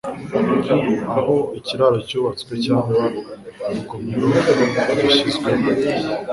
aho ikiraro cyubatswe cyangwa urugomero rushyizweho